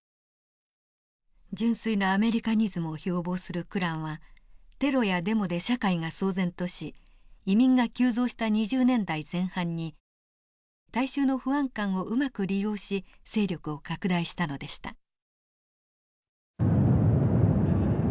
純粋なアメリカニズムを標榜するクランはテロやデモで社会が騒然とし移民が急増した２０年代前半に大衆の不安感をうまく利用し勢力を拡大したのでした。